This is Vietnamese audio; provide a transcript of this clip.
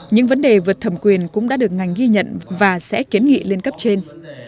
nhưng vấn đề vật thẩm quyền cũng đã được ngành ghi nhận và sẽ kiến nghị lên cấp trên